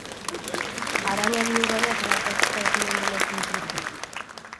A araña viúva negra é quizais o membro máis coñecido do xénero.